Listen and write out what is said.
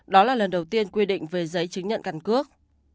đó là lần đầu tiên quy định về giấy chứng nhận căn cước